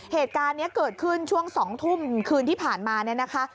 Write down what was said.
เหตุการณ์นี้เกิดขึ้นช่วง๒ทุ่มคืนที่ผ่านมาเนี่ยนะคะ